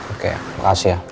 oke makasih ya